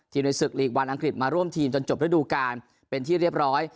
ในศึกลีกวันอังกฤษมาร่วมทีมจนจบระดูการเป็นที่เรียบร้อย